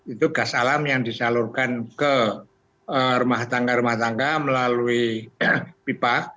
itu gas alam yang disalurkan ke rumah tangga rumah tangga melalui pipa